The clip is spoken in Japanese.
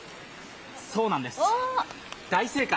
そうなんです、大正解！